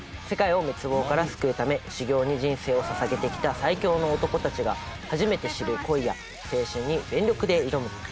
世界を滅亡から救うため修行に人生を捧げてきた最強の男たちが初めて知る恋や青春に全力で挑む